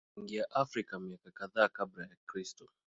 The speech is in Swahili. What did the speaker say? Waliingia Afrika miaka kadhaa Kabla ya Kristo.